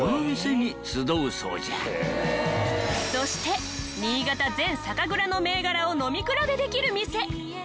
そして新潟全酒蔵の銘柄を飲み比べできる店。